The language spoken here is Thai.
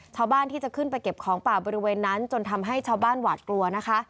ชาวบ้านที่จะขึ้นไปเก็บของป่าบริเวณนั้นจนทำให้ชาวบ้านหวาดกลัวนะคะ